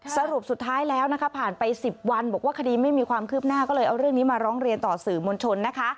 สรุปสุดท้ายแล้วนะคะผ่านไป๑๐วันบอกว่าคดีไม่มีความคืบหน้าก็เลยเอาเรื่องนี้มาร้องเรียนต่อสื่อมวลชนนะคะ